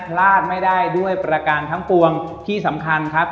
พลาดไม่ได้ด้วยประการทั้งปวงที่สำคัญครับ